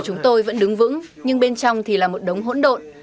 chúng tôi vẫn đứng vững nhưng bên trong thì là một đống hỗn độn